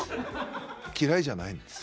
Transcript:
嫌いじゃないんです。